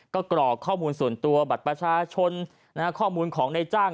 ก็กรอกข้อมูลส่วนตัวบัตรประชาชนข้อมูลของในจ้าง